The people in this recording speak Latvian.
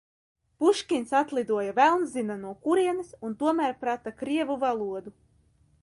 Puškins atlidoja velns zina no kurienes un tomēr prata krievu valodu.